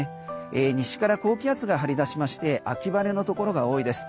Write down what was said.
西から高気圧が張り出しまして秋晴れのところが多いです。